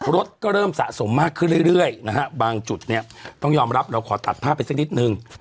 รถก็เริ่มสะสมมากขึ้นเรื่อยนะฮะบางจุดเนี่ยต้องยอมรับเราขอตัดภาพไปสักนิดนึง